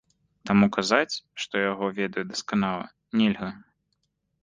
Таму казаць, што я яго ведаю дасканала, нельга.